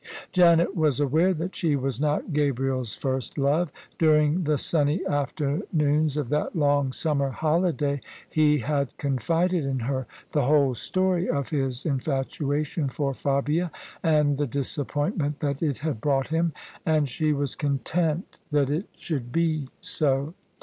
Janet was aware that she was not Gabriel's first love: during the sunny afternoons of that long sununer holiday he had confided in her the whole story of his infatuation for Fabia, and the disappointment that it had brought him : and she was content that it should be so.